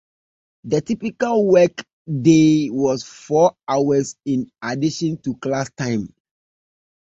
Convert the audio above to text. The typical work-day was four hours in addition to class time.